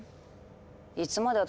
いつまで私